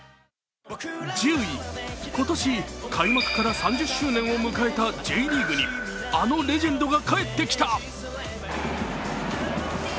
１０位、今年開幕から３０周年を迎えたＪリーグにあのレジェンドが帰ってきた。